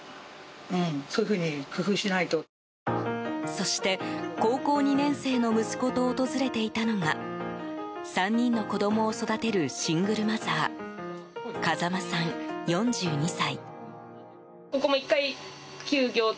そして、高校２年生の息子と訪れていたのが３人の子供を育てるシングルマザー風間さん、４２歳。